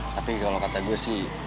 tapi kalau kata gue sih